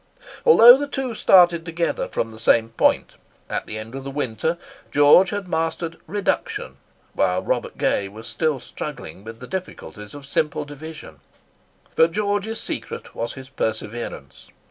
Although the two started together from the same point, at the end of the winter George had mastered "reduction," while Robert Gray was still struggling with the difficulties of simple division. But George's secret was his perseverance.